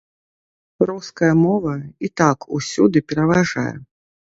Руская мова і так усюды пераважае.